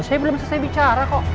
saya belum selesai bicara kok